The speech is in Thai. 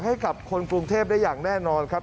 ให้กับคนกรุงเทพได้อย่างแน่นอนครับ